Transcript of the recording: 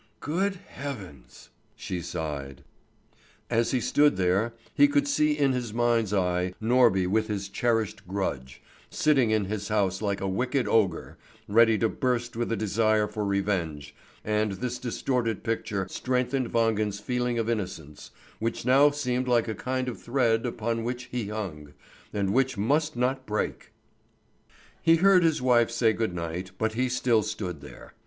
"Good heavens!" she sighed. As he stood there, he could see in his mind's eye Norby with his cherished grudge, sitting in his house like a wicked ogre, ready to burst with a desire for revenge, and this distorted picture strengthened Wangen's feeling of innocence, which now seemed like a kind of thread upon which he hung, and which must not break. He heard his wife say good night, but he still stood there.